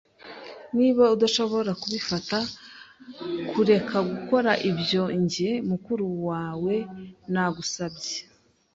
Niba udashobora kubifata, kureka gukora ibyo njye, mukuru wawe, nagusabye.